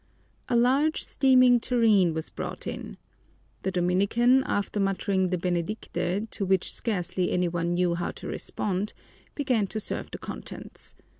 A large steaming tureen was brought in. The Dominican, after muttering the benedicite, to which scarcely any one knew how to respond, began to serve the contents.